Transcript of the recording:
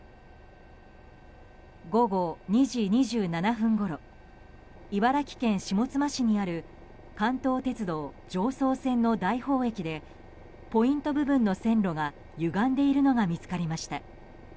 午後２時２７分ごろ茨城県下妻市にある関東鉄道常総線の大宝駅でポイント部分の線路がゆがんでいるのが見つかりました。